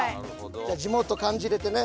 じゃあ地元感じれてね。